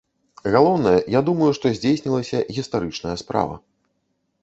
Галоўнае, я думаю, што здзейснілася гістарычная справа.